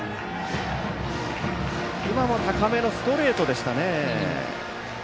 今も高めのストレートでしたね。